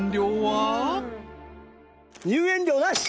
入園料なし。